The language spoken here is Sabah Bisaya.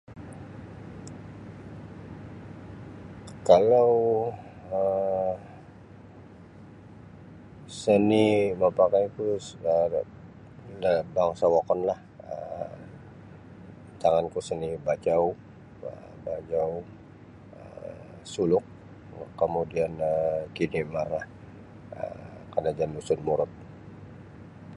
Kalau um seni mapakaiku da da bangsa wokonlah um antanganku seni Bajau Bajau Suluk kemudian Ki Di Im Ar lah um Kadazandusunmurut.